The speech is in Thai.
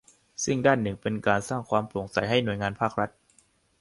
ซึ่งด้านหนึ่งเป็นการสร้างความโปร่งใสให้หน่วยงานภาครัฐ